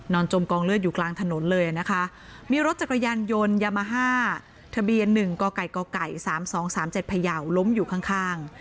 จมกองเลือดอยู่กลางถนนเลยนะคะมีรถจักรยานยนต์ยามาฮ่าทะเบียน๑กไก่กไก่๓๒๓๗พยาวล้มอยู่ข้าง